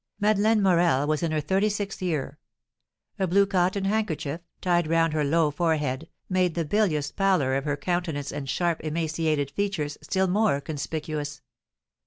Madeleine Morel was in her thirty sixth year; a blue cotton handkerchief, tied round her low forehead, made the bilious pallor of her countenance and sharp, emaciated features still more conspicuous.